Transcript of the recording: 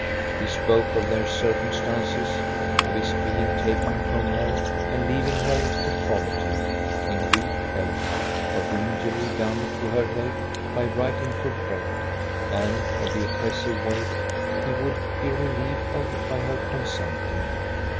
He spoke of their circumstances, of his being taken from her and leaving her to poverty, in weak health; of the injury done to her health by writing for bread; and of the oppressive weight he would be relieved of by her consenting.